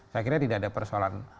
saya kira tidak ada persoalan